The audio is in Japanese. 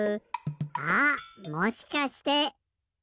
あっもしかして。